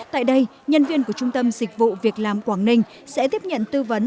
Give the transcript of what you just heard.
tại đây nhân viên của trung tâm dịch vụ việc làm quảng ninh sẽ tiếp nhận tư vấn